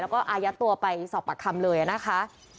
แล้วก็อายัดตัวไปสอบปากคำเลยนะคะ